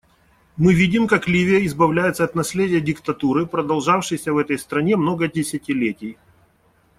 Мы видим, как Ливия избавляется от наследия диктатуры, продолжавшейся в этой стране много десятилетий.